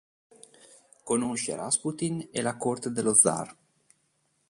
Conosce Rasputin e la corte dello Zar.